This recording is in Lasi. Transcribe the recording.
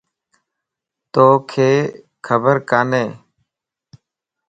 توکَ خبر کاني؟